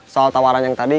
soal tawaran yang tadi